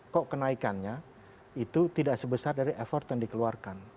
kok kenaikannya itu tidak sebesar dari effort yang dikeluarkan